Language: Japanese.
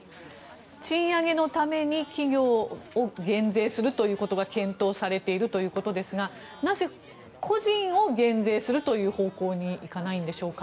賃上げのために企業を減税するということが検討されているということですがなぜ個人を減税するという方向にいかないんでしょうか。